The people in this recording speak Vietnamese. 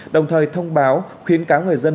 đồng thời thông báo khuyến cáo người dân